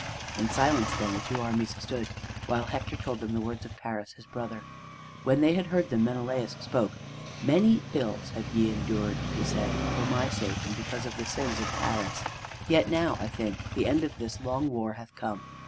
In silence, then, the two armies stood, while Hector told them the words of Paris his brother. When they had heard him, Menelaus spoke: "Many ills have ye endured," he said, "for my sake and because of the sins of Paris. Yet now, I think, the end of this long war hath come.